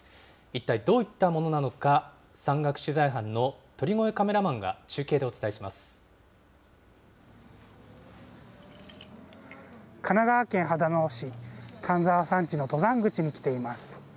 一体どういったものなのか、山岳取材班の鳥越カメラマンが中継で神奈川県秦野市、丹沢山地の登山口に来ています。